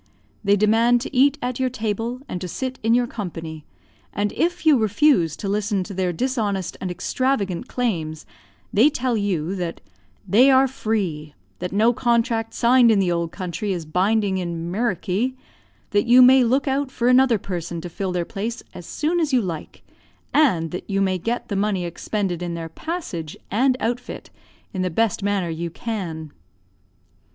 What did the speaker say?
They demand to eat at your table, and to sit in your company; and if you refuse to listen to their dishonest and extravagant claims, they tell you that "they are free; that no contract signed in the old country is binding in 'Meriky'; that you may look out for another person to fill their place as soon as you like; and that you may get the money expended in their passage and outfit in the best manner you can."